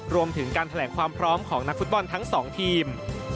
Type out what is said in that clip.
รวมถึงการแถลงความพร้อมของนักฟุตบอลทั้งสองทีม